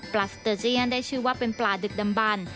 สเตอร์เจียนได้ชื่อว่าเป็นปลาดึกดำบัน